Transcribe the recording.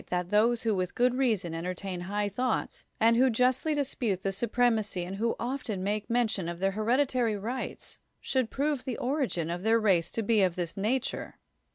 Si; THE WORLD'S FAMOUS ORATIONS those who with good reason entertain high thoughts, and who justly dispute the supremacy and who often make mention of their hereditary rights, should prove the origin of their race to be of this nature.